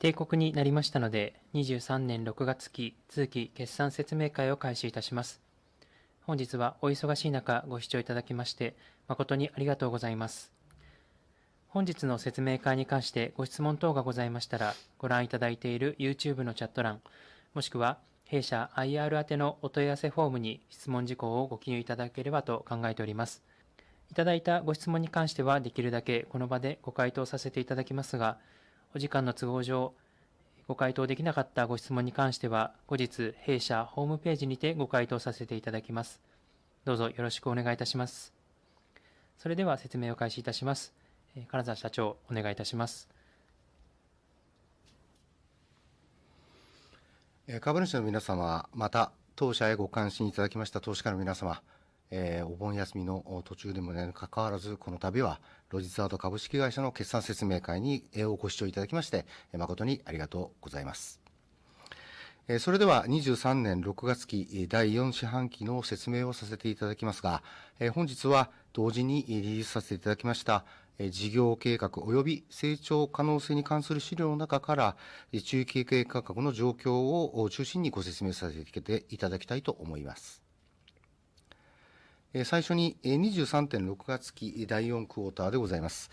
定刻になりましたので、23年6月期通期決算説明会を開始いたします。本日はお忙しい中ご視聴いただきまして、誠にありがとうございます。本日の説明会に関してご質問等がございましたら、ご覧いただいている YouTube のチャット欄、もしくは弊社 IR 宛のお問い合わせフォームに質問事項をご記入いただければと考えております。いただいたご質問に関しては、できる限りこの場でご回答させていただきますが、お時間の都合上、ご回答できなかったご質問に関しては、後日弊社ホームページにてご回答させていただきます。どうぞよろしくお願いいたします。それでは説明を開始いたします。金澤社長、お願いいたします。株主の皆様、また、当社へご関心いただきました投資家の皆様、お盆休みの途中にも関わらず、この度はロジザード株式会社の決算説明会にご視聴いただきまして、誠にありがとうございます。それでは2023年6月期第4四半期の説明をさせていただきますが、本日は同時にリリースさせていただきました事業計画および成長可能性に関する資料の中から、中期経営計画の状況を中心にご説明させていただきたいと思います。最初に2023年6月期第4クオーターでございます。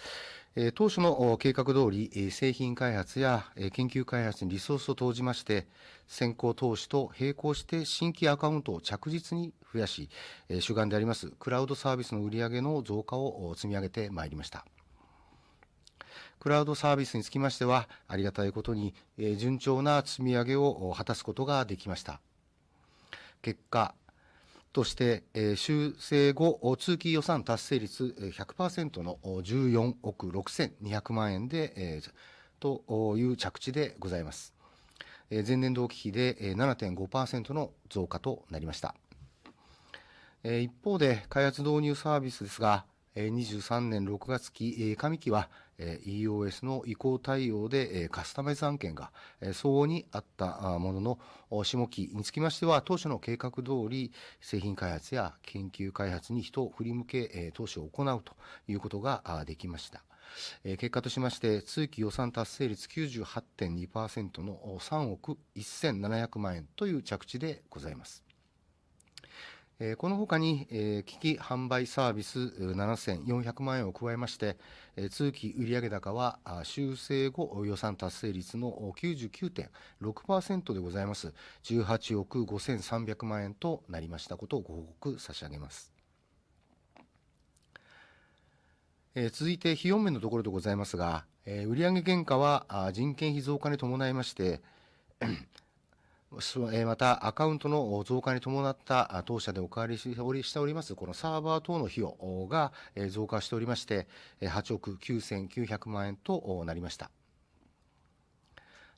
当初の計画通り、製品開発や研究開発にリソースを投じまして、先行投資と並行して新規アカウントを着実に増やし、主眼でありますクラウドサービスの売上の増加を積み上げてまいりました。クラウドサービスにつきましては、ありがたいことに順調な積み上げを果たすことができました。結果として、修正後、通期予算達成率 100% の14億 6,200 万円という着地でございます。前年同期比で 7.5% の増加となりました。一方で開発導入サービスですが、2023年6月期上期は EOS の移行対応でカスタマイズ案件が相応にあったものの、下期につきましては当初の計画通り、製品開発や研究開発に人を振り向け、投資を行うということができました。結果としまして、通期予算達成率 98.2% の ¥3 億 1,700 万円という着地でございます。この他に機器販売サービス 7,400 万円を加えまして、通期売上高は修正後予算達成率の 99.6% でございます。18億 5,300 万円となりましたことをご報告差し上げます。続いて、費用面のところでございますが、売上原価は人件費増加に伴いまして、またアカウントの増加に伴った当社でお借りしておりますサーバー等の費用が増加しておりまして、¥899,000,000 となりました。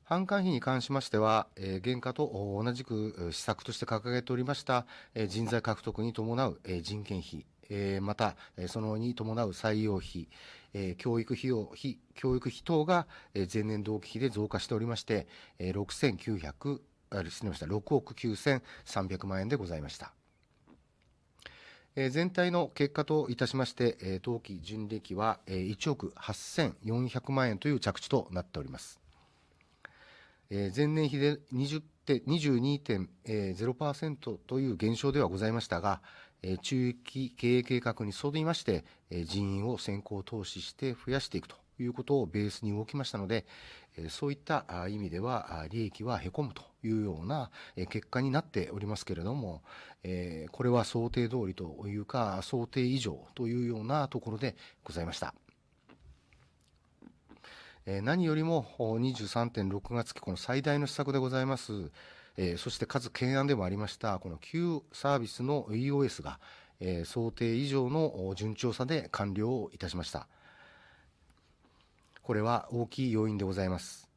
販管費に関しましては、原価と同じく施策として掲げておりました人材獲得に伴う人件費、また、それに伴う採用費、教育費用、非教育費等が前年同期比で増加しておりまして、6億 9,300 万円でございました。全体の結果といたしまして、当期純利益は1億 8,400 万円という着地となっております。前年比で 20.0% という減少ではございましたが、中期経営計画に沿いまして、人員を先行投資して増やしていくということをベースに動きましたので、そういった意味では利益は凹むというような結果になっておりますけれども、これは想定通りというか、想定以上というようなところでございました。何よりも2023年6月期、この最大の施策でございます。そして、かつ懸案でもありました、この旧サービスの EOS が想定以上の順調さで完了いたしました。これは大きい要因でございます。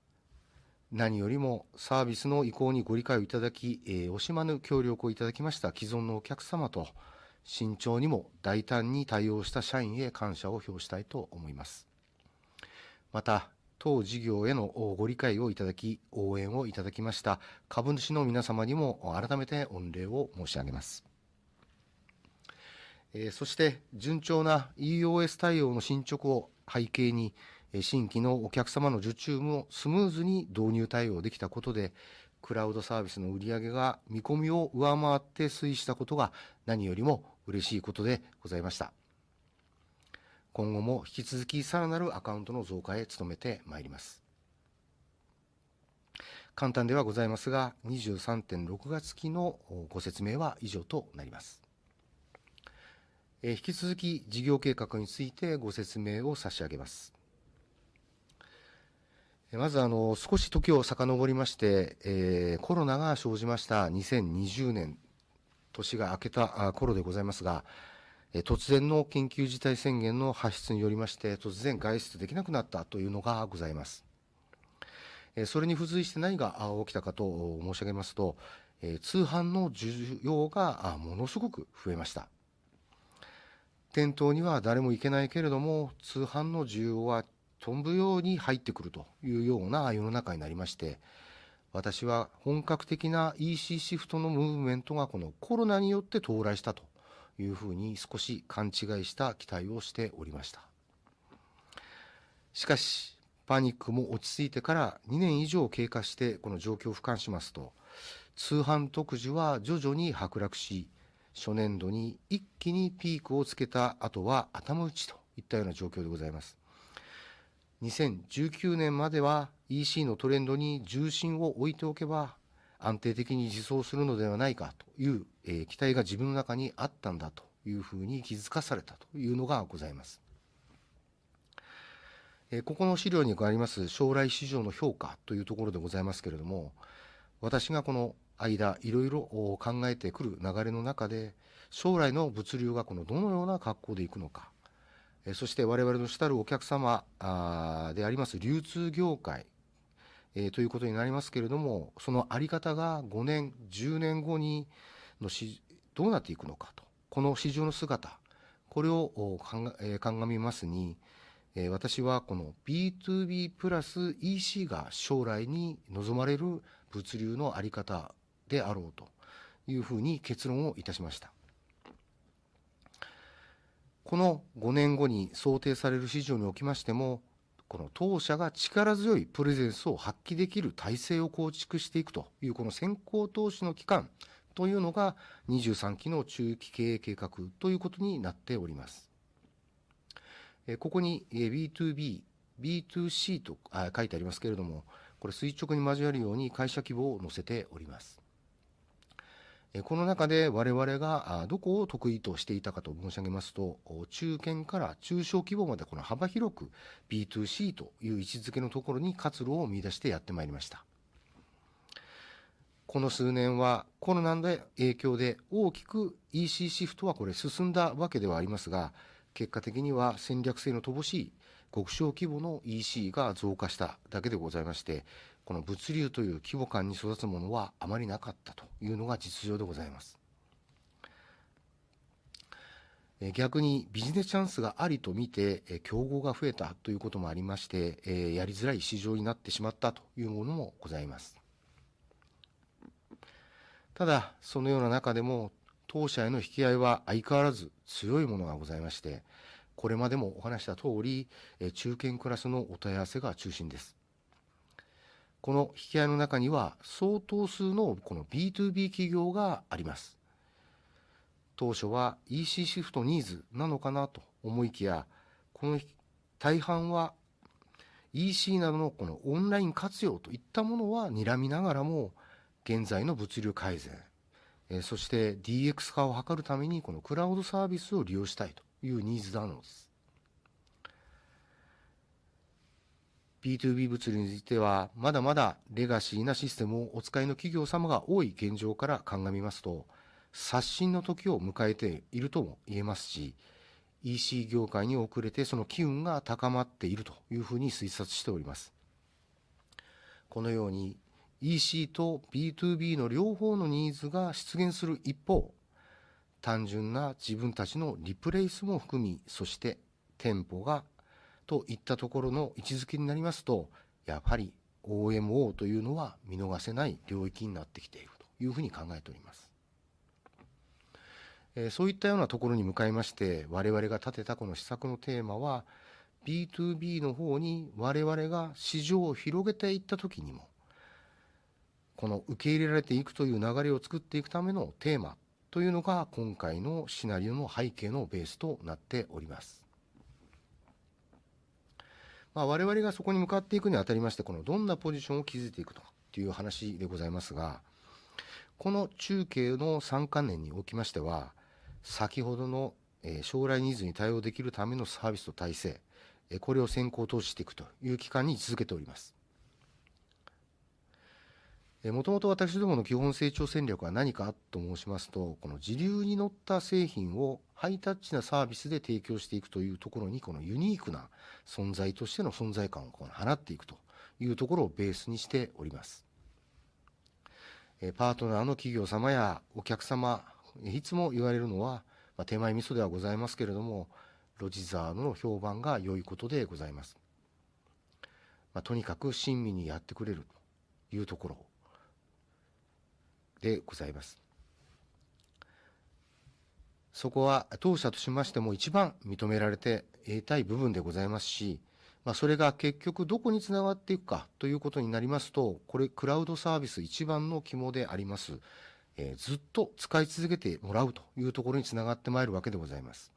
何よりも、サービスの移行にご理解をいただき、惜しまぬ協力をいただきました既存のお客様と、慎重にも大胆に対応した社員へ感謝を表したいと思います。また、当事業へのご理解をいただき、応援をいただきました株主の皆様にも改めて御礼を申し上げます。そして、順調な EOS 対応の進捗を背景に、新規のお客様の受注もスムーズに導入対応できたことで、クラウドサービスの売上が見込みを上回って推移したことが何よりも嬉しいことでございました。今後も引き続き、さらなるアカウントの増加へ努めてまいります。簡単ではございますが、23.6 月期のご説明は以上となります。引き続き、事業計画についてご説明を差し上げます。まず、少し時を遡りまして、コロナが生じました。2020 年、年が明けた頃でございますが、突然の緊急事態宣言の発出によりまして、突然外出できなくなったというのがございます。それに付随して何が起きたかと申し上げますと、通販の需要がものすごく増えました。店頭には誰も行けないけれども、通販の需要は飛ぶように入ってくるというような世の中になりまして、私は本格的な EC シフトのムーブメントがこのコロナによって到来したと、少し勘違いした期待をしておりました。しかし、パニックも落ち着いてから2年以上経過して、この状況を俯瞰しますと、通販特需は徐々に剥落し、初年度に一気にピークをつけた後は頭打ちといったような状況でございます。2019年までは、EC のトレンドに重心を置いておけば、安定的に持続するのではないかという期待が自分の中にあったんだというふうに気づかされたというのがございます。ここの資料にあります将来市場の評価というところでございますけれども、私がこの間いろいろ考えてくる流れの中で、将来の物流がどのような格好でいくのか、そして我々の主たるお客様であります流通業界ということになりますけれども、そのあり方が5 年、10年後にどうなっていくのかと。この市場の姿、これを鑑みますに、私はこの BtoB プラス EC が将来に望まれる物流のあり方であろうというふうに結論をいたしました。この5年後に想定される市場におきましても、この当社が力強いプレゼンスを発揮できる体制を構築していくという、この先行投資の期間というのが23期の中期経営計画ということになっております。ここに BTOB、BTOC と書いてありますけれども、これ垂直に交わるように会社規模を載せております。この中で我々がどこを得意としていたかと申し上げますと、中堅から中小規模まで、幅広く BTOC という位置づけのところに活路を見出してやってまいりました。この数年は、コロナの影響で大きく EC シフトは進んだわけではありますが、結果的には戦略性の乏しい極小規模の EC が増加しただけでございまして、この物流という規模感に育つものはあまりなかったというのが実情でございます。逆にビジネスチャンスがあると見て競合が増えたということもありまして、やりづらい市場になってしまったというものもございます。ただ、そのような中でも、当社への引き合いは相変わらず強いものがございまして、これまでもお話しした通り、中堅クラスのお問い合わせが中心です。この引き合いの中には相当数の BtoB 企業があります。当初は EC シフトニーズなのかなと思いきや、この大半は EC などのオンライン活用といったものは睨みながらも、現在の物流改善、そして DX 化を図るためにこのクラウドサービスを利用したいというニーズなのです。BtoB 物流については、まだまだレガシーなシステムをお使いの企業様が多い現状から鑑みますと、刷新の時を迎えているとも言えますし、EC 業界に遅れてその機運が高まっているというふうに推察しております。このように EC と BTOB の両方のニーズが出現する一方、単純な自分たちのリプレイスも含み、そして店舗がといったところの位置づけになりますと、やはり OMO というのは見逃せない領域になってきているというふうに考えております。そういったようなところに向かいまして、我々が立てたこの施策のテーマは、BtoB の方に我々が市場を広げていった時にも、この受け入れられていくという流れを作っていくためのテーマというのが、今回のシナリオの背景のベースとなっております。私々がそこに向かっていくにあたりまして、どんなポジションを築いていくのかという話でございますが、この中計の3年間におきましては、先ほどの将来ニーズに対応できるためのサービスと体制、これを先行投資していくという期間に位置付けております。もともと私どもの基本成長戦略は何かと申しますと、この時流に乗った製品をハイタッチなサービスで提供していくというところに、このユニークな存在としての存在感を放っていくというところをベースにしております。パートナーの企業様やお客様にいつも言われるのは、手前味噌ではございますけれども、ロジザードの評判が良いことでございます。とにかく親身にやってくれるというところでございます。そこは当社としましても一番認められていたい部分でございますし、それが結局どこにつながっていくかということになりますと、これ、クラウドサービス一番の肝であります。ずっと使い続けてもらうというところにつながってまいるわけでございます。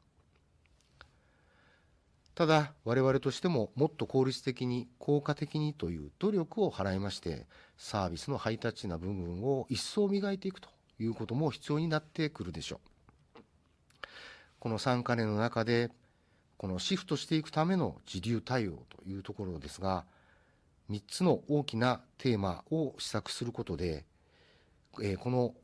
ただ、我々としても、もっと効率的に、効果的にという努力を払いまして、サービスのハイタッチな部分を一層磨いていくということも必要になってくるでしょう。この3年の中で、このシフトしていくための時流対応というところですが、3つの大きなテーマを施策することで、この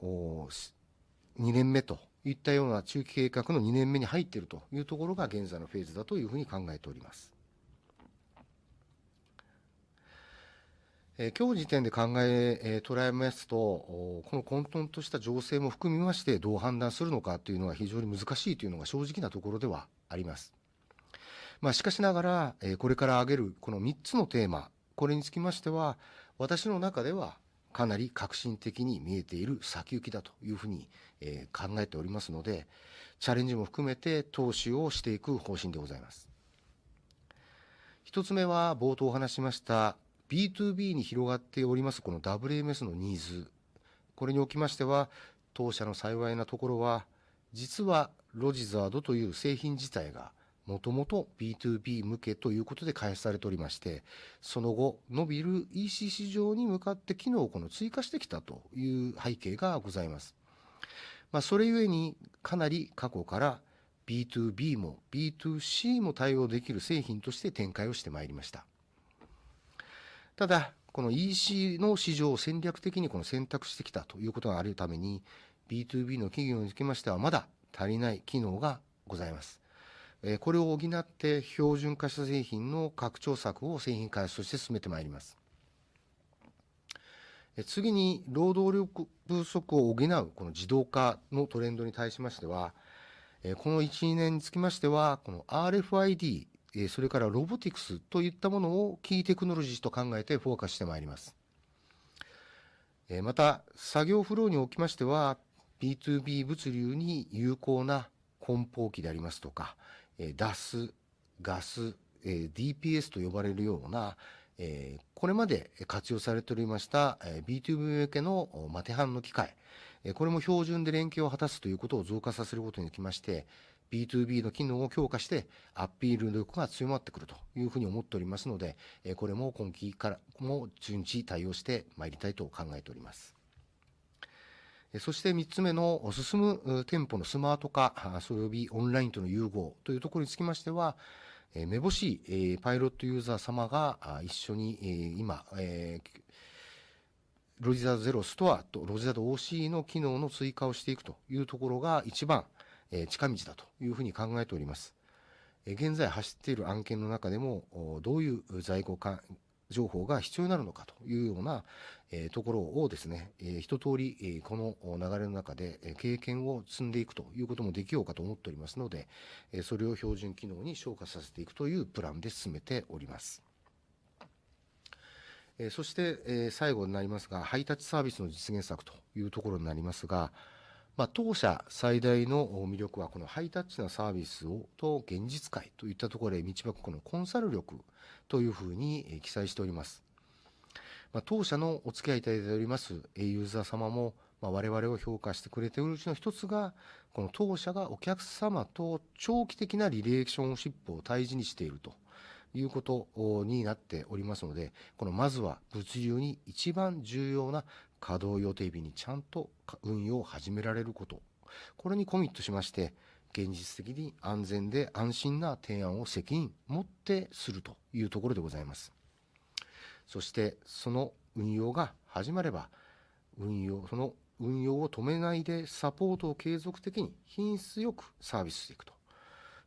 2年目といったような中期計画の2年目に入っているというところが現在のフェーズだというふうに考えております。今日時点で考えとらえますと、この混沌とした情勢も含みまして、どう判断するのかというのは非常に難しいというのが正直なところではあります。しかしながら、これから挙げるこの3つのテーマ、これにつきましては、私の中ではかなり革新的に見えている先行きだというふうに考えておりますので、チャレンジも含めて投資をしていく方針でございます。1つ目は、冒頭お話しました BtoB に広がっております、この WMS のニーズ、これにおきましては、当社の幸いなところは、実はロジザードという製品自体がもともと BtoB 向けということで開発されておりまして、その後、伸びる EC 市場に向かって機能を追加してきたという背景がございます。それゆえに、かなり過去から BtoB も BtoC も対応できる製品として展開をしてまいりました。ただ、この EC の市場を戦略的に選択してきたということがあるために、BtoB の企業につきましてはまだ足りない機能がございます。これを補って、標準化した製品の拡張策を製品開発として進めてまいります。次に、労働力不足を補うこの自動化のトレンドに対しましては、この 1、2年につきましては、この RFID、それからロボティクスといったものをキーテクノロジーと考えてフォーカスしてまいります。また、作業フローにおきましては、BtoB 物流に有効な梱包機でありますとか、DAS ガス、DPS と呼ばれるような、これまで活用されておりました BtoB 向けの荷受の機械、これも標準で連携を果たすということを増加させることにつきまして、BtoB の機能を強化してアピールの力が強まってくるというふうに思っておりますので、これも今期からも順次対応してまいりたいと考えております。そして、3つ目の進む店舗のスマート化およびオンラインとの融合というところにつきましては、目ぼしいパイロットユーザー様が一緒に今、ロジザードゼロストアとロジザード OC の機能の追加をしていくというところが一番近道だというふうに考えております。現在走っている案件の中でも、どういう在庫情報が必要になるのかというようなところをですね、一通りこの流れの中で経験を積んでいくということもできようかと思っておりますので、それを標準機能に昇華させていくというプランで進めております。そして最後になりますが、ハイタッチサービスの実現策というところになりますが、当社最大の魅力は、このハイタッチなサービスと現実界といったところに導くコンサル力というふうに記載しております。当社のお付き合いいただいておりますユーザー様も、我々を評価してくれているうちの一つが、この当社がお客様と長期的なリレーションシップを大事にしているということになっておりますので、まずは物流に一番重要な稼働予定日にちゃんと運用を始められること、これにコミットしまして、現実的に安全で安心な提案を責任持ってするというところでございます。その運用が始まれば、その運用を止めないでサポートを継続的に品質よくサービスしていく。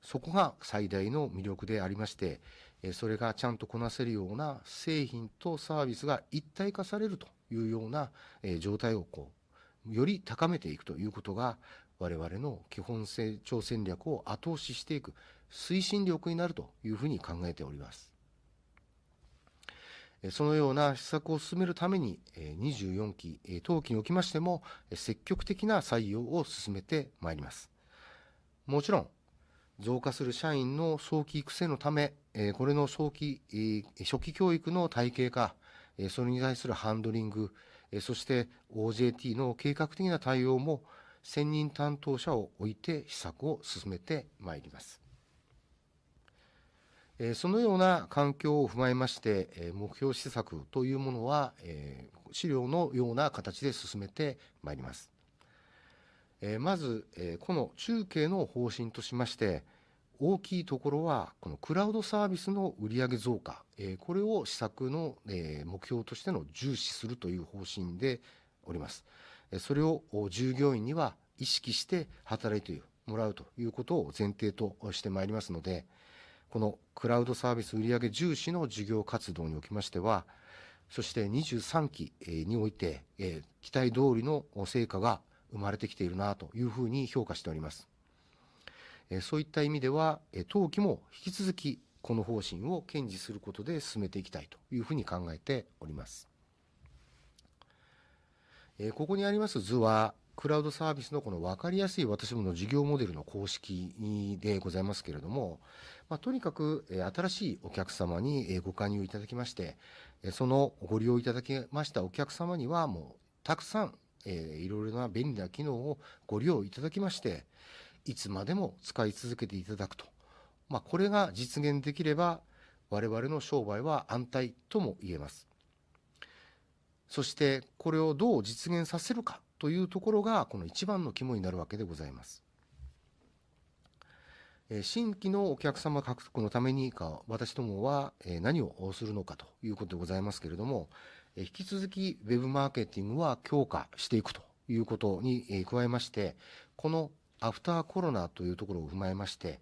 そこが最大の魅力でありまして、それがちゃんとこなせるような製品とサービスが一体化されるというような状態をより高めていくということが、我々の基本成長戦略を後押ししていく推進力になるというふうに考えております。そのような施策を進めるために、24 期、当期におきましても積極的な採用を進めてまいります。もちろん、増加する社員の早期育成のため、これの早期初期教育の体系化、それに対するハンドリング、そして OJT の計画的な対応も、専任担当者を置いて施策を進めてまいります。そのような環境を踏まえまして、目標施策というものは資料のような形で進めてまいります。まず、この中計の方針としまして、大きいところはこのクラウドサービスの売上増加、これを施策の目標としての重視するという方針でおります。それを従業員には意識して働いてもらうということを前提としてまいりますので、このクラウドサービス売上重視の事業活動におきましては、そして23期において期待通りの成果が生まれてきているなというふうに評価しております。そういった意味では、当期も引き続きこの方針を堅持することで進めていきたいというふうに考えております。ここにあります図は、クラウドサービスのわかりやすい私どもの事業モデルの公式でございますけれども、とにかく新しいお客様にご加入いただきまして、そのご利用いただけましたお客様には、もうたくさんいろいろな便利な機能をご利用いただきまして、いつまでも使い続けていただくと。これが実現できれば、我々の商売は安泰とも言えます。そして、これをどう実現させるかというところが一番の肝になるわけでございます。新規のお客様獲得のために、私どもは何をするのかということでございますけれども、引き続きウェブマーケティングは強化していくということに加えまして、このアフターコロナというところを踏まえまして、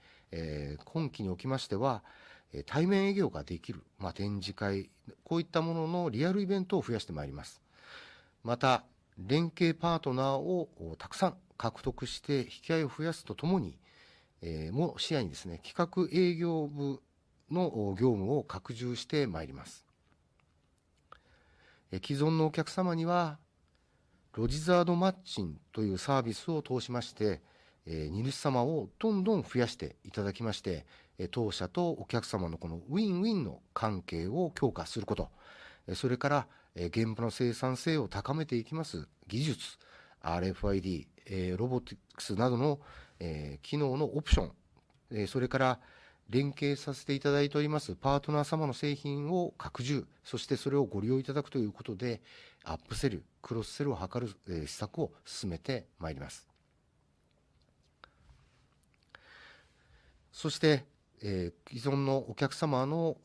今期におきましては、対面営業ができる展示会、こういったもののリアルイベントを増やしてまいります。また、連携パートナーをたくさん獲得して引き合いを増やすとともに、も視野に入れてですね、企画営業部の業務を拡充してまいります。既存のお客様には、ロジザードマッチングというサービスを通しまして、荷主様をどんどん増やしていただきまして、当社とお客様のこのウィンウィンの関係を強化すること、それから現場の生産性を高めていきます。技術、RFID、ロボティクスなどの機能のオプション、それから連携させていただいておりますパートナー様の製品を拡充、そしてそれをご利用いただくということで、アップセル、クロスセルを図る施策を進めてまいります。そして、既存のお客様の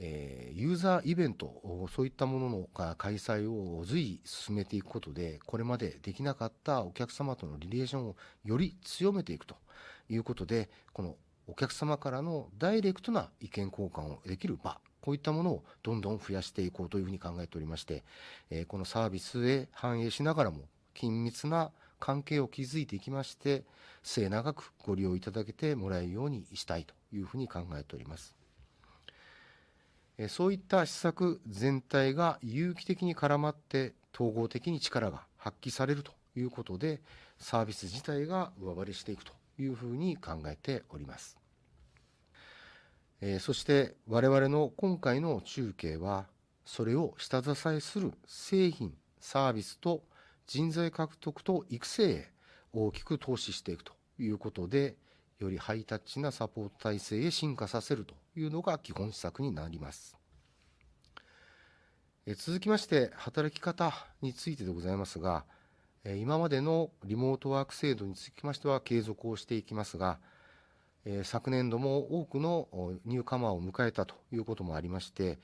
ユーザーイベント、そういったものの開催を随意進めていくことで、これまでできなかったお客様とのリレーションをより強めていくということで、このお客様からのダイレクトな意見交換ができる場、こういったものをどんどん増やしていこうというふうに考えておりまして、このサービスへ反映しながらも緊密な関係を築いていきまして、末永くご利用いただけてもらえるようにしたいというふうに考えております。そういった施策全体が有機的に絡まって、統合的に力が発揮されるということで、サービス自体が上回りしていくというふうに考えております。そして、我々の今回の中計は、それを下支えする製品サービスと人材獲得と育成へ大きく投資していくということで、よりハイタッチなサポート体制へ進化させるというのが基本施策になります。続きまして、働き方についてでございますが、今までのリモートワーク制度につきましては継続をしていきますが、昨年度も多くのニューカマーを迎えたということもありまして、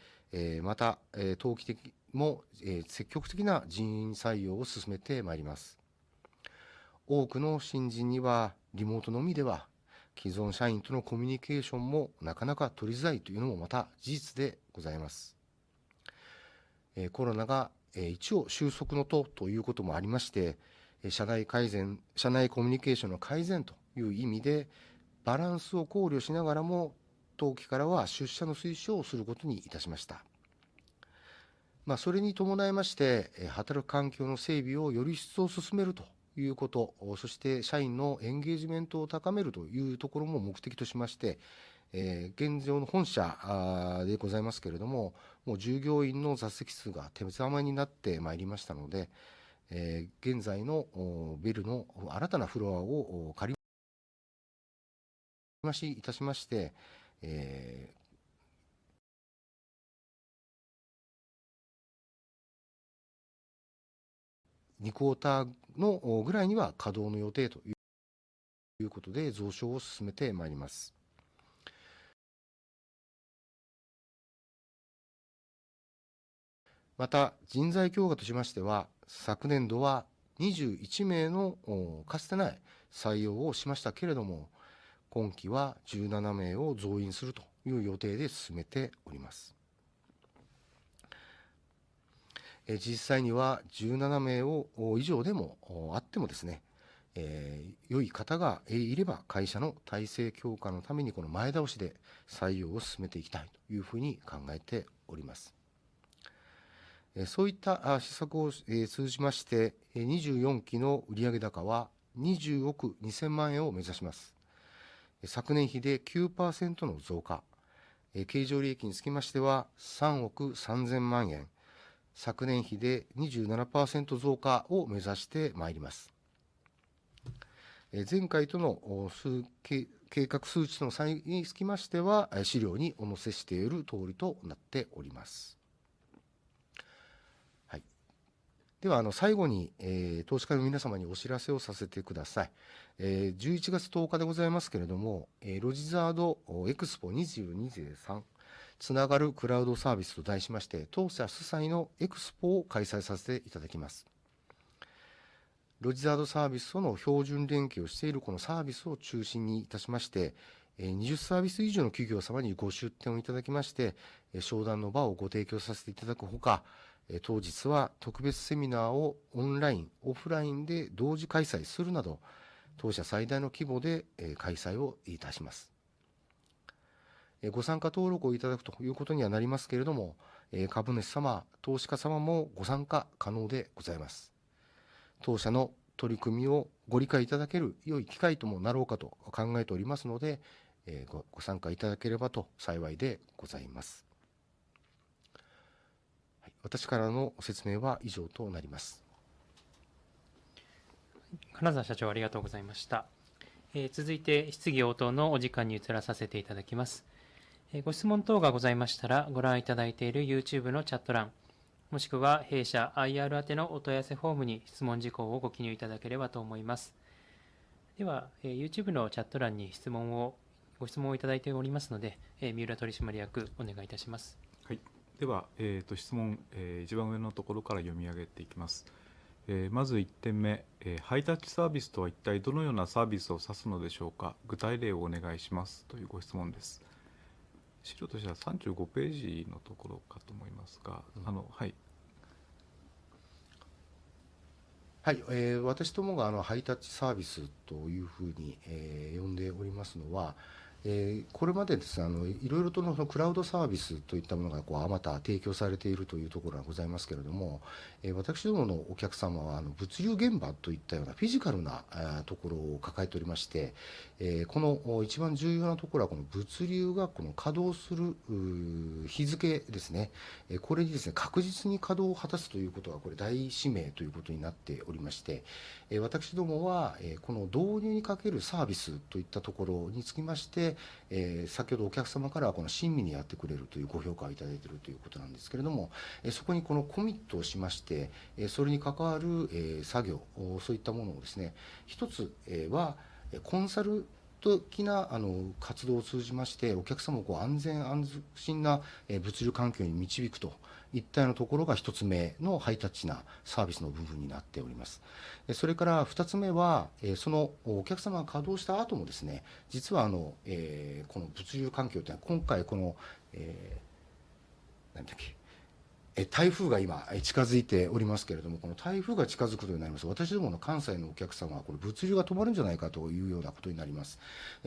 また、当期も積極的な人員採用を進めてまいります。多くの新人には、リモートのみでは既存社員とのコミュニケーションもなかなか取りづらいというのもまた事実でございます。コロナが一応収束の途ということもありまして、社内改善、社内コミュニケーションの改善という意味で、バランスを考慮しながらも、当期からは出社の推奨をすることにいたしました。それに伴いまして、働く環境の整備をより一層進めるということ、そして社員のエンゲージメントを高めるというところも目的としまして、現在の本社でございますけれども、もう従業員の座席数が手狭になってまいりましたので、現在のビルの新たなフロアを借りました。2クォーターぐらいには稼働の予定ということで、増床を進めてまいります。また、人材強化としましては、昨年度は21名のかつてない採用をしましたけれども、今期は17名を増員するという予定で進めております。実際には17名以上であってもですね、良い方がいれば、会社の体制強化のために前倒しで採用を進めていきたいというふうに考えております。そういった施策を通じまして、24期の売上高は ¥202,000 万円を目指します。昨年比で 9% の増加。経常利益につきましては ¥33,000 万円、昨年比で 27% 増加を目指してまいります。前回との計画数値の差異につきましては、資料にお載せしているとおりとなっております。では、最後に投資家の皆様にお知らせをさせてください。11月10日でございますけれども、ロジザード EXPO 2023「つながるクラウドサービス」と題しまして、当社主催のエクスポを開催させていただきます。ロジザードサービスとの標準連携をしているこのサービスを中心にいたしまして、20サービス以上の企業様にご出展をいただきまして、商談の場をご提供させていただくほか、当日は特別セミナーをオンライン、オフラインで同時開催するなど、当社最大の規模で開催をいたします。ご参加登録をいただくということにはなりますけれども、株主様、投資家様もご参加可能でございます。当社の取り組みをご理解いただける良い機会ともなろうかと考えておりますので、ご参加いただければと幸いでございます。私からの説明は以上となります。金沢社長、ありがとうございました。続いて、質疑応答のお時間に移らさせていただきます。ご質問等がございましたら、ご覧いただいている YouTube のチャット欄、もしくは弊社 IR あてのお問い合わせフォームに質問事項をご記入いただければと思います。では、YouTube のチャット欄にご質問をいただいておりますので、三浦取締役お願いいたします。はい、では、質問一番上のところから読み上げていきます。まず1点目、ハイタッチサービスとは一体どのようなサービスを指すのでしょう か？ 具体例をお願いします。というご質問です。資料としては35ページのところかと思いますが。はい。はい。私どもがハイタッチサービスというふうに呼んでおりますのは、これまででございますね、いろいろとクラウドサービスといったものが数多提供されているというところがございますけれども、私どものお客様は物流現場といったようなフィジカルなところを抱えておりまして、この一番重要なところは、物流が稼働する日付でございます。これにですね、確実に稼働を果たすということは、これ大使命ということになっておりまして、私どもはこの導入にかけるサービスといったところにつきまして、先ほどお客様からは親身になってくれるというご評価をいただいているということなんですけれども、そこにこのコミットをしまして、それに関わる作業、そういったものをですね、一つはコンサル的な活動を通じまして、お客様を安全・安心な物流環境に導くといったようなところが一つ目のハイタッチなサービスの部分になっております。それから2つ目は、そのお客様が稼働した後もですね、実はこの物流環境というのは、今回、台風が今近づいておりますけれども、この台風が近づくことになります。私どもの関西のお客様は、物流が止まるんじゃないかというようなことになります。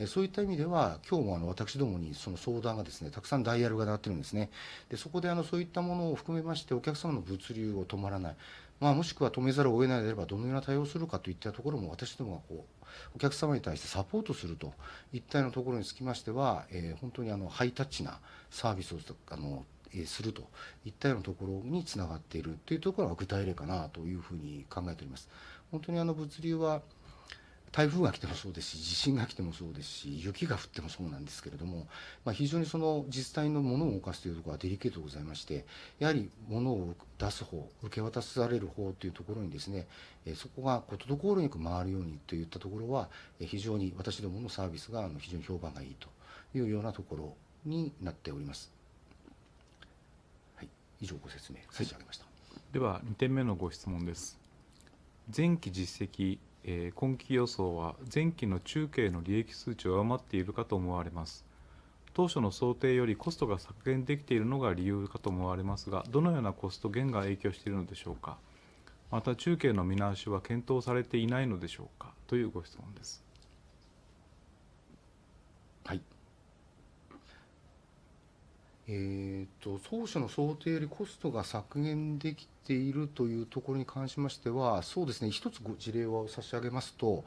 そういった意味では、今日も私どもにその相談がですね、たくさんダイヤルが鳴っているんですね。そういったものを含めまして、お客様の物流を止まらない、もしくは止めざるを得ないのであれば、どのような対応をするかといったところも、私どもはお客様に対してサポートするといったようなところにつきましては、本当にハイタッチなサービスをするといったようなところにつながっているというところが具体例かなというふうに考えております。本当に物流は、台風が来てもそうですし、地震が来てもそうですし、雪が降ってもそうなんですけれども、非常にその実際のものを動かすというところはデリケートでございまして、やはりものを出す方、受け渡される方というところにですね、そこが滞りなく回るようにといったところは、非常に私どものサービスが非常に評判がいいというようなところになっております。はい、以上ご説明差し上げました。では、2点目のご質問です。前期実績、今期予想は前期の中計の利益数値を上回っていると思われます。当初の想定よりコストが削減できているのが理由と思われますが、どのようなコスト減が影響しているのでしょうか。また、中計の見直しは検討されていないのでしょう か？ というご質問です。はい。当初の想定よりコストが削減できているというところに関しましては、そうですね、一つ事例を差し上げますと、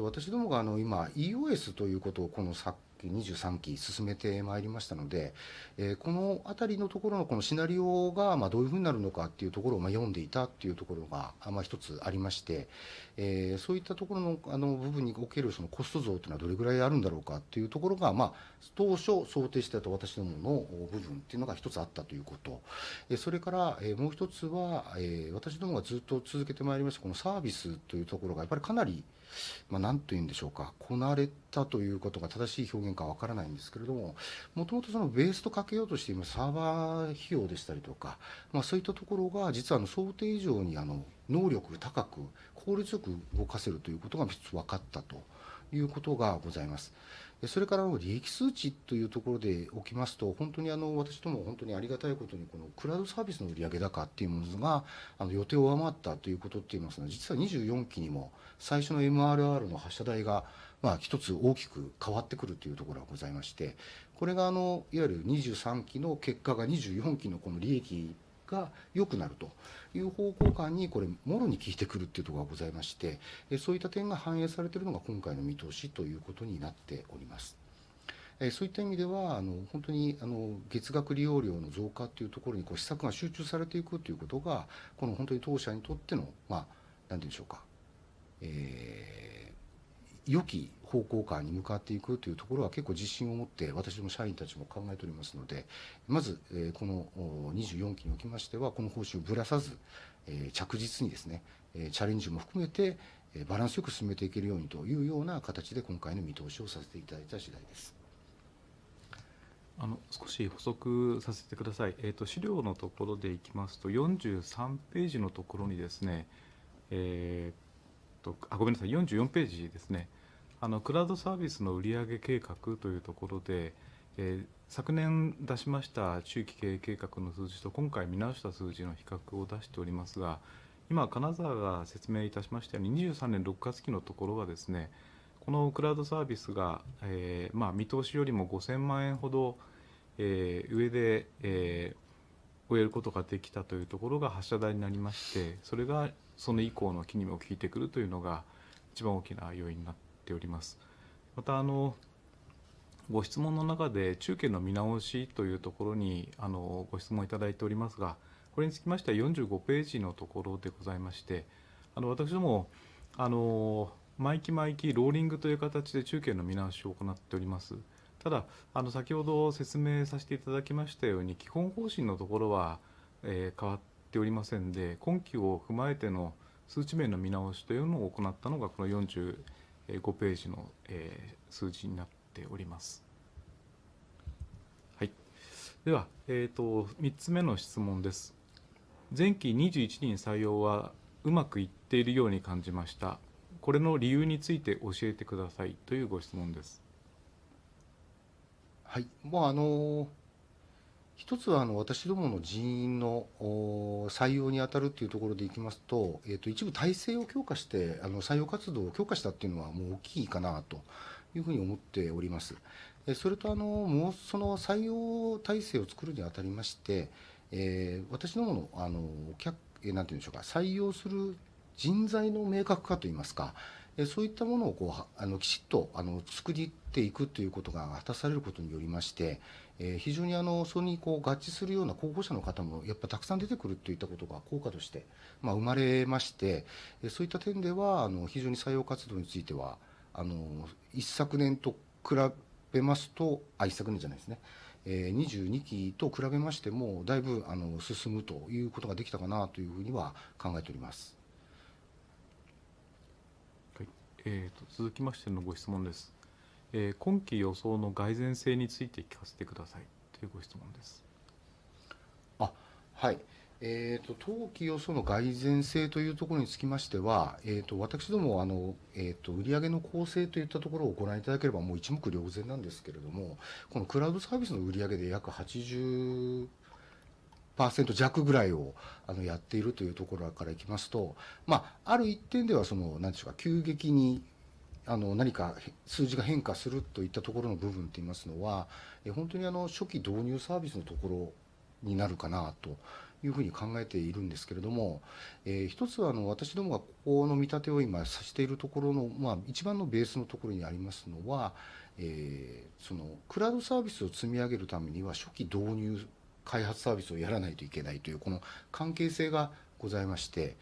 私どもが今 EOS ということをこのさっき23期進めてまいりましたので、この辺のところのシナリオがどういうふうになるのかっていうところを読んでいたっていうところが一つありまして。そういったところの部分におけるコスト増というのはどれぐらいあるんだろうかというところが、当初想定していた私どもの部分というのが一つあったということ。それからもう一つは、私どもがずっと続けてまいりましたこのサービスというところが、やはりかなり、こなれたということが正しい表現かわからないんですけれども、もともとそのベースと掛けようとしているサーバー費用でしたりとか、そういったところが実は想定以上に能力が高く、効率よく動かせるということが分かったということがございます。それから利益数値というところでおきますと、本当に私どもありがたいことに、クラウドサービスの売上高というものが予定を上回ったということ、これは実は24期にも最初の MRR の発射台が一つ大きく変わってくるというところがございまして、これがいわゆる23期の結果が24期の利益が良くなるという方向感に、これもろに効いてくるというところがございまして、そういった点が反映されているのが今回の見通しということになっております。そういった意味では、本当に月額利用料の増加というところに施策が集中されていくということが、この本当に当社にとっての、良き方向感に向かっていくというところは、結構自信を持って私ども社員たちも考えておりますので、まずこの24期におきましては、この方針をぶらさず、着実にですね、チャレンジも含めてバランスよく進めていけるようにというような形で、今回の見通しをさせていただいた次第です。少し補足させてください。資料のところでいきますと、43ページのところにですね、ごめんなさい。44ページですね。クラウドサービスの売上計画というところで、昨年出しました中期経営計画の数字と今回見直した数字の比較を出しておりますが、今金澤が説明いたしましたように、2023年6月期のところはですね、このクラウドサービスが見通しよりも 5,000 万円ほど上で超えることができたというところが発射台になりまして、それがその以降の期にも効いてくるというのが一番大きな要因になっております。また、ご質問の中で中計の見直しというところにご質問いただいておりますが、これにつきましては45ページのところでございまして、私ども、毎期毎期ローリングという形で中計の見直しを行っております。ただ、先ほど説明させていただきましたように、基本方針のところは変わっておりませんで、今期を踏まえての数値面の見直しというのを行ったのが、この45ページの数字になっております。では、3つ目の質問です。前期21人採用はうまくいっているように感じました。これの理由について教えてください。というご質問です。はい。私どもの人員の採用にあたるというところでいきますと、一部体制を強化して採用活動を強化したというのは大きいかなというふうに思っております。それと、もうその採用体制を作るにあたりまして、私どもの採用する人材の明確化といいますか、そういったものをきちっと作っていくということが果たされることによりまして、非常にそれに合致するような候補者の方もたくさん出てくるといったことが効果として生まれまして。そういった点では、非常に採用活動については22期と比べましても、だいぶ進むということができたかなというふうには考えております。続きまして、今期予想の蓋然性についてのご質問です。はい。当期予想の蓋然性というところにつきましては、私どもは売上の構成といったところをご覧いただければもう一目瞭然なんですけれども、このクラウドサービスの売上で約 80% 弱ぐらいをやっているというところからいきますと、ある一点では、その何というか、急激に何か数字が変化するといったところの部分といいますのは、本当に初期導入サービスのところになるかなというふうに考えているんですけれども。一つは、私どもがここの見立てを今させているところの一番のベースのところにありますのは、そのクラウドサービスを積み上げるためには、初期導入開発サービスをやらないといけないという、この関係性がございまして、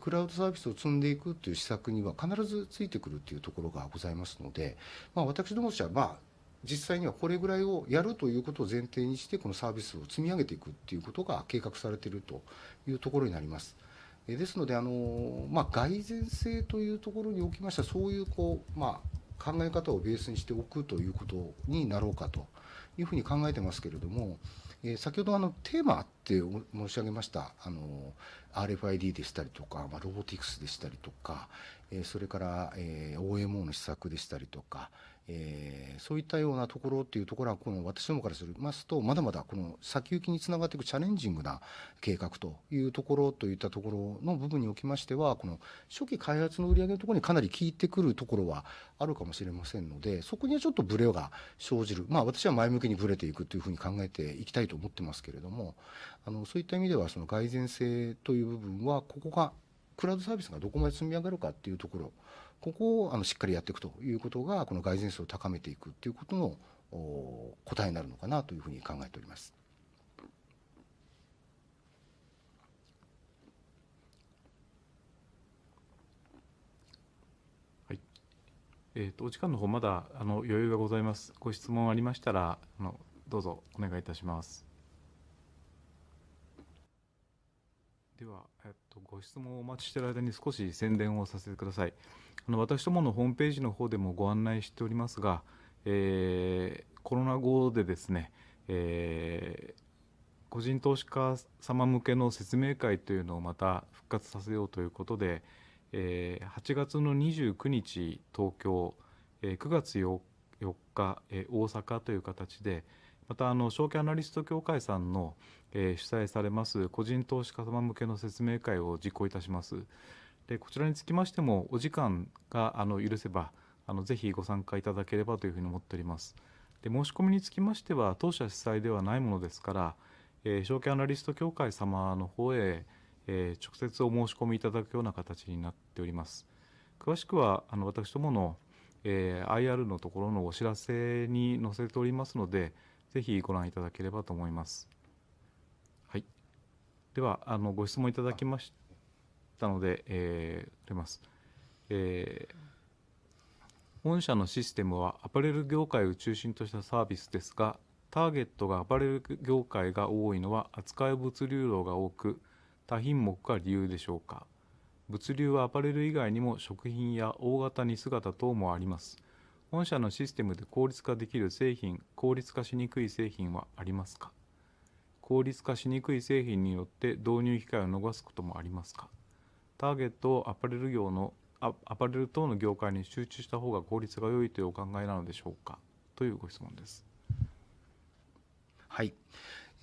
クラウドサービスを積んでいくという施策には必ずついてくるというところがございますので、私どもとしては、実際にはこれぐらいをやるということを前提にして、このサービスを積み上げていくということが計画されているというところになります。ですので、蓋然性というところにおきましては、そういう考え方をベースにしておくということになろうかというふうに考えていますけれども、先ほどテーマって申し上げました。RFID であったり、ロボティクスであったり、それから OMO の施策であったりといったところは、私どもからしますと、まだまだこの先行きにつながっていくチャレンジングな計画というところといったところの部分におきましては、この初期開発の売上のところにかなり効いてくるところはあるかもしれませんので、そこにはちょっとブレが生じる。私は前向きにブレていくというふうに考えていきたいと思ってますけれども。そういった意味では、蓋然性という部分は、ここがクラウドサービスがどこまで積み上がるかっていうところ、ここをしっかりやっていくということが、この蓋然性を高めていくということの答えになるのかなというふうに考えております。はい。お時間の方、まだ余裕がございます。ご質問がありましたら、どうぞお願いいたします。では、ご質問をお待ちしている間に少し宣伝をさせてください。私どものホームページの方でもご案内しておりますが、コロナ後でですね、個人投資家様向けの説明会というのをまた復活させようということで、8月29日東京、9月4日大阪という形で、また証券アナリスト協会さんの主催されます個人投資家様向けの説明会を実行いたします。こちらにつきましても、お時間が許せばぜひご参加いただければというふうに思っております。申し込みにつきましては、当社主催ではないものですから、証券アナリスト協会様の方へ直接お申し込みいただくような形になっております。詳しくは私どもの IR のところのお知らせに載せておりますので、ぜひご覧いただければと思います。では、ご質問いただきましたので、出ます。本社のシステムはアパレル業界を中心としたサービスですが、ターゲットがアパレル業界が多いのは扱い物流量が多く、多品目化が理由でしょうか。物流はアパレル以外にも食品や大型荷姿等もあります。本社のシステムで効率化できる製品、効率化しにくい製品はあります か？ 効率化しにくい製品によって導入機会を逃すこともあります か？ ターゲットをアパレル業のアパレル等の業界に集中した方が効率が良いというお考えなのでしょう か？ というご質問です。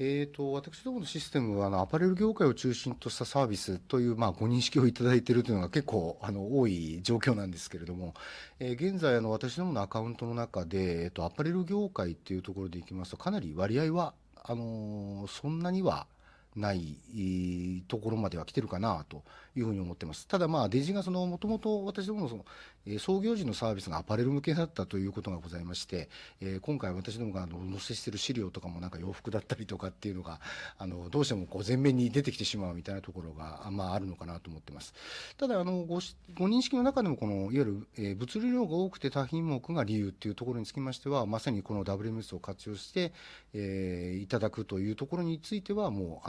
私どものシステムは、アパレル業界を中心としたサービスというご認識をいただいているというのが結構多い状況なんですけれども、現在、私どものアカウントの中でアパレル業界っていうところでいきますと、かなり割合はそんなにはないところまでは来てるかなというふうに思ってます。ただ、デジがもともと私どもの創業時のサービスがアパレル向けだったということがございまして、今回、私どもがお見せしている資料とかも、何か洋服だったりとかっていうのがどうしても前面に出てきてしまうみたいなところがあるのかなと思ってます。ただ、ご認識の中でも、このいわゆる物流量が多くて多品目化が理由っていうところにつきましては、まさにこの WMS を活用していただくというところについては、も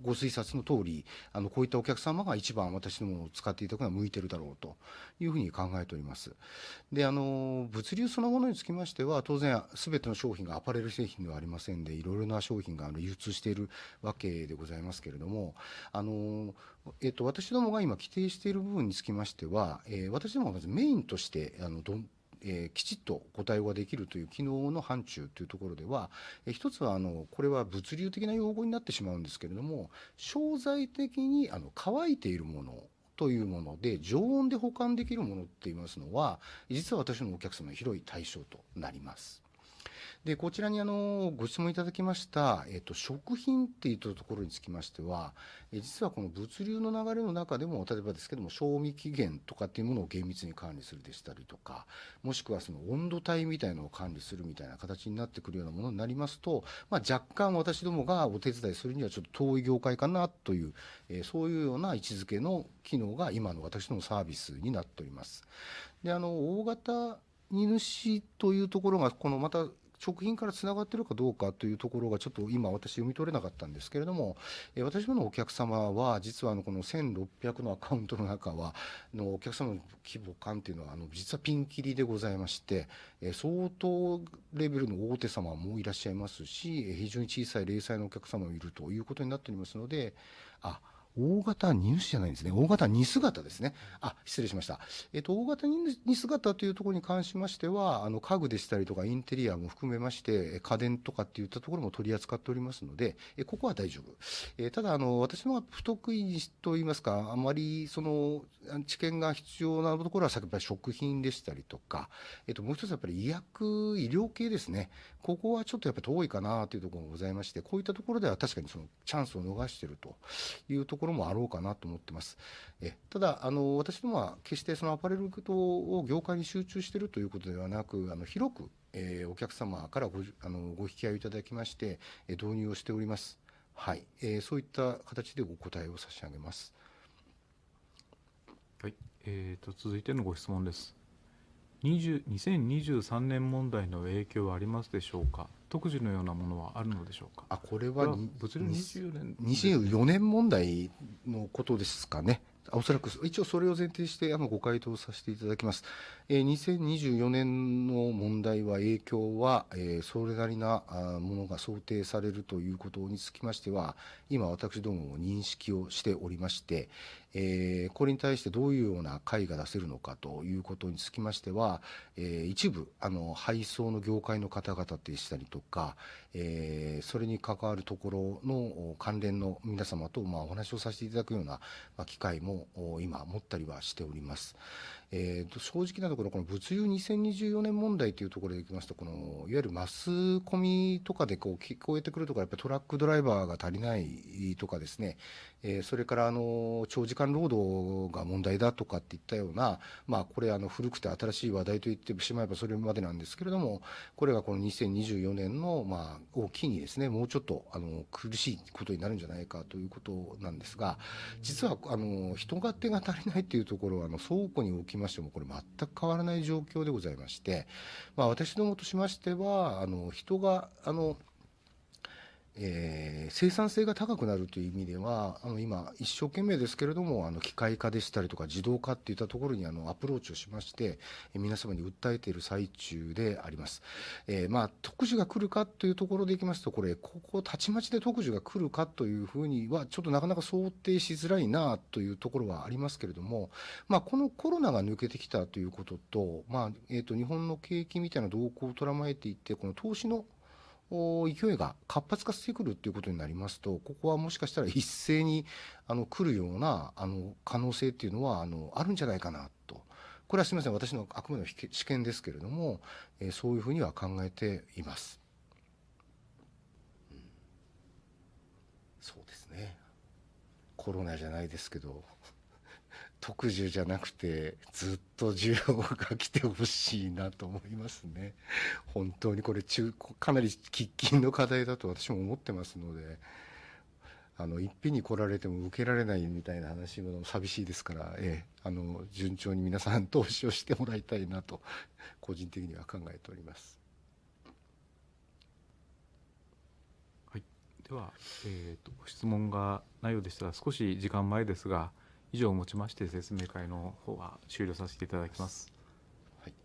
うご推察の通り。こういったお客様が一番私どもを使っていただくのが向いているだろうというふうに考えております。物流そのものにつきましては、当然全ての商品がアパレル製品ではありませんで、いろいろな商品が流通しているわけでございますけれども、私どもが今規定している部分につきましては、私どもがメインとしてきちっとお対応ができるという機能の範疇というところでは、一つは、これは物流的な用語になってしまうんですけれども、商材的に乾いているものというもので、常温で保管できるものといいますのは、実は私のお客様の広い対象となります。こちらにご質問いただきました食品といったところにつきましては、実はこの物流の流れの中でも、例えばですけども、賞味期限とかっていうものを厳密に管理するでしたりとか、もしくはその温度帯みたいなのを管理するみたいな形になってくるようなものになりますと、若干私どもがお手伝いするにはちょっと遠い業界かなという、そういうような位置づけの機能が今の私どものサービスになっております。大型荷主というところが、この食品からつながっているかどうかというところが、ちょっと今私は読み取れなかったのですけれども、私のお客様は、実はこの 1,600 のアカウントの中は、お客様の規模感というのは実はピンキリでございまして、相当レベルの大手様もいらっしゃいますし、非常に小さい零細のお客様もいるということになっておりますので。大型荷姿ではないですね。大型荷姿ですね。失礼しました。大型荷姿というところに関しましては、家具でしたりとか、インテリアも含めまして、家電とかっていったところも取り扱っておりますので、ここは大丈夫。ただ、私どもは不得意と言いますか、あまりその知見が必要なところは、食品でしたりとか、もう一つはやっぱり医薬、医療系ですね。ここはちょっとやっぱり遠いかなというところもございまして、こういったところでは確かにチャンスを逃しているというところもあろうかなと思っています。ただ、私どもは決してそのアパレル業界に集中しているということではなく、広くお客様からご引き合いをいただきまして、導入をしております。そういった形でお答えを差し上げます。続いてのご質問です。2023年問題の影響はありますでしょう か？ 特需のようなものはあるのでしょうか。これは物流2024年問題のことですかね。おそらく一応それを前提してご回答させていただきます。2024年の問題は、影響はそれなりのものが想定されるということにつきましては、今私どもも認識をしておりまして、これに対してどういうような解が出せるのかということにつきましては、一部配送の業界の方々でしたりとか、それに関わるところの関連の皆様とお話をさせていただくような機会も今持ったりはしております。正直なところ、この物流2024年問題というところでいきますと、いわゆるマスコミとかで聞こえてくるところは、やっぱりトラックドライバーが足りないとかですね。それから長時間労働が問題だとかっていったような、これ古くて新しい話題と言ってしまえばそれまでなんですけれども、これがこの2024年を機にですね、もうちょっと苦しいことになるんじゃないかということなんですが、実は人手が足りないっていうところは、倉庫におきましても、これ全く変わらない状況でございまして。私どもとしましては、人の生産性が高くなるという意味では、今一生懸命ですけれども、機械化でしたりとか、自動化といったところにアプローチをしまして、皆様に訴えている最中であります。特需がすぐに来るかというところでいきますと、たちまち特需が来るというふうにはちょっとなかなか想定しづらいなというところはありますけれども、このコロナが抜けてきたということと、日本の景気みたいな動向を捉まえていて、この投資の勢いが活発化してくるということになりますと、ここはもしかしたら一斉に来るような可能性というのはあるんじゃないかなと。これはすみません、私のあくまで私見ですけれども、そういうふうには考えています。そうですね。コロナじゃないですけど、特需じゃなくてずっと需要が来てほしいなと思いますね。本当にこれかなり喫緊の課題だと私も思っていますので、いっぺんに来られても受けられないみたいな話も寂しいですから。順調に皆さんに投資をしてもらいたいなと、個人的には考えております。はい、ではご質問がないようでしたら、少し時間前ですが、以上をもちまして説明会の方は終了させていただきます。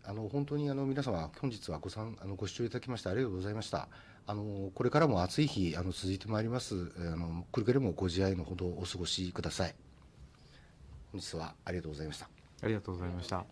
はい、本当に皆さんは本日はご視聴いただきまして、ありがとうございました。これからも暑い日が続いてまいります。くれぐれもご自愛のほどお過ごしください。本日はありがとうございました。ありがとうございました。